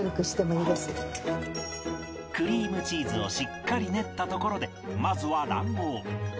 クリームチーズをしっかり練ったところでまずは卵黄